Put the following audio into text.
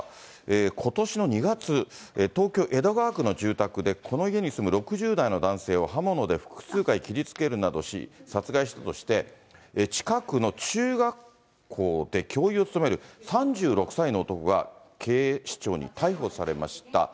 ことしの２月、東京・江戸川区の住宅でこの家に住む６０代の男性を刃物で複数回切りつけるなどし、殺害したとして、近くの中学校で教諭を務める３６歳の男が、警視庁に逮捕されました。